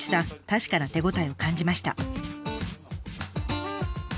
確かな手応えを感じました。